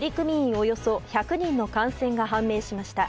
およそ１００人の感染が判明しました。